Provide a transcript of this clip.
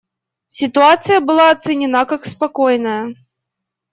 Ситуация была оценена как спокойная.